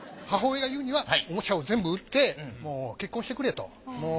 母親が言うにはおもちゃを全部売ってもう結婚してくれと。